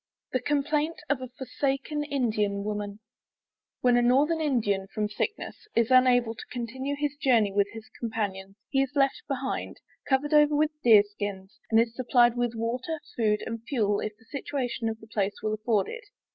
THE COMPLAINT OF A FORSAKEN INDIAN WOMAN [_When a Northern Indian, from sickness, is unable to continue his journey with his companions; he is left behind, covered over with Deer skins, and is supplied with water, food, and fuel if the situation of the place will afford it.